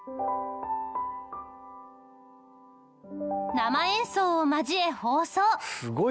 生演奏を交え放送。